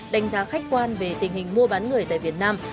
đánh giá khách quan về tình hình mua bán người tại việt nam